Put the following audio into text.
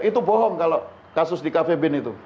itu bohong kalau kasus di cafe bin itu